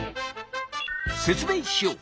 説明しよう！